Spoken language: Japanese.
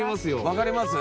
わかります？